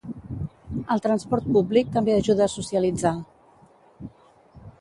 El transport públic també ajuda a socialitzar